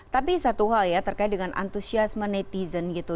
tapi satu hal ya terkait dengan antusiasme netizen gitu